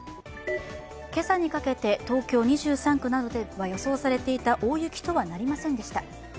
今朝にかけて東京２３区などでは予想されていた大雪とはなりませんでした。